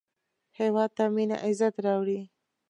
هېواد ته مینه عزت راوړي